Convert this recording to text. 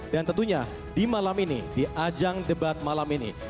dan tentunya di malam ini di ajang debat malam ini